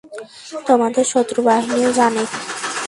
তোমাদের শত্রুবাহিনীও জানে।